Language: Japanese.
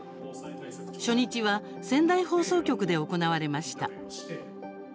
初日は仙台放送局で行われました。